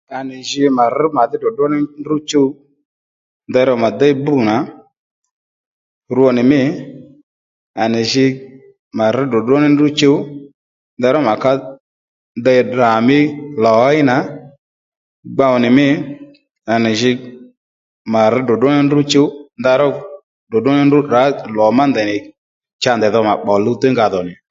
À nì jǐ mà rř mà dhí ddròddró ní ndrǔ chuw ndey ró mà déy bbrû nà rwo nì mî à nì jǐ mà rř ddròddró ní ndrǔ chuw ndey ró mà ká dey Ddra mí lò héy nà gbow nì mî à nì jǐ mà rř ddròddró ní ndrǔ chuw ndèy ró ddròddró ní ndrǔ tdrǎ lò má ndèy ní cha ndèy dho mà bbo luwtéy nga dhò nì